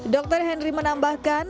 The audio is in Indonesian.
dr henry menambahkan